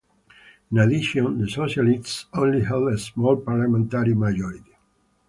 In addition, the Socialists only held a small parliamentary majority.